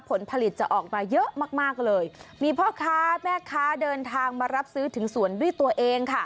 ผลผลิตจะออกมาเยอะมากมากเลยมีพ่อค้าแม่ค้าเดินทางมารับซื้อถึงสวนด้วยตัวเองค่ะ